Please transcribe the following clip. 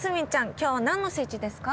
今日は何のスイッチですか？